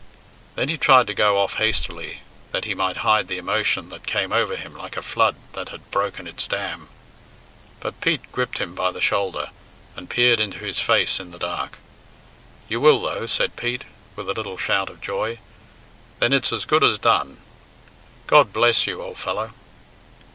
Then he tried to go off hastily that he might hide the emotion that came over him like a flood that had broken its dam. But Pete gripped him by the shoulder, and peered into his face in the dark. "You will, though," said Pete, with a little shout of joy; "then it's as good as done; God bless you, old fellow."